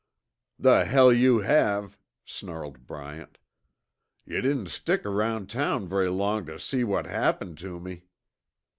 "The hell you have," snarled Bryant. "Yuh didn't stick around town very long tuh see what happened to me."